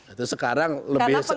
itu sekarang lebih seru